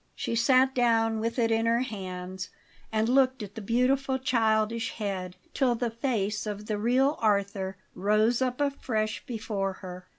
She sat down with it in her hands and looked at the beautiful childish head, till the face of the real Arthur rose up afresh before her.